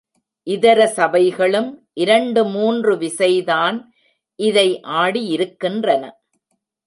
இதர சபைகளும் இரண்டு மூன்று விசைதான் இதை ஆடியிருக்கின்றன.